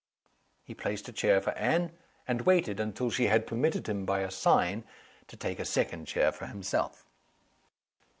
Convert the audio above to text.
He placed a chair for Anne, and waited until she had permitted him, by a sign, to take a second chair for himself.